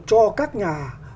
cho các nhà